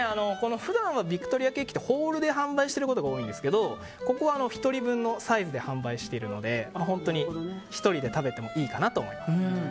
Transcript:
普段はヴィクトリアケーキってホールで販売していることが多いんですけどここは１人分のサイズで販売してるので本当に１人で食べてもいいかなと思います。